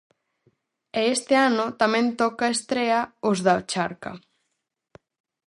E este ano tamén toca estrea "os da charca".